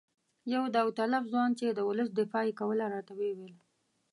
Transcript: یو داوطلب ځوان چې د ولس دفاع یې کوله راته وویل.